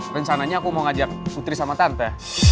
rencananya aku mau ngajak putri sama tante